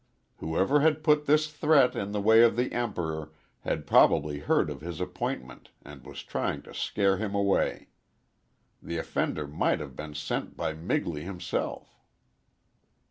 Whoever had put this threat in the way of the Emperor had probably heard of his appointment and was trying to scare him away. The offender might have been sent by Migley himself.